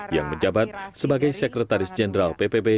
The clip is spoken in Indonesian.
yang menjabat sebagai sekretaris jenderal ppb